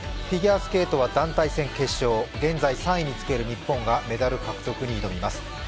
フィギュアスケートは団体戦決勝、現在３位につける日本がメダル獲得に挑みます。